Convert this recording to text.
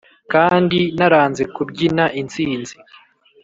kandi naranze kubyina intsinzi